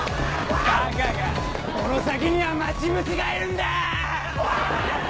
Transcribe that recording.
バカがこの先には待ち伏せがいるんだ！